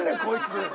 こいつ。